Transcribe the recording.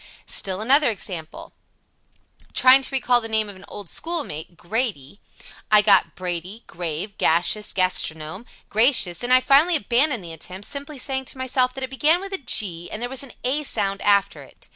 Still another example: Trying to recall the name of an old schoolmate, "Grady," I got "Brady," "grave," "gaseous," "gastronome," "gracious," and I finally abandoned the attempt, simply saying to myself that it began with a "G," and there was an "a" sound after it.